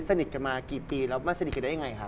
สนิทกันมากี่ปีแล้วมาสนิทกันได้ยังไงครับ